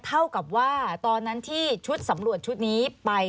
เท่ากับว่าตอนนั้นที่ชุดสำรวจชุดนี้ไป